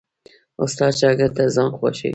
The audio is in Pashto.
استاد شاګرد ته ځان خوښوي.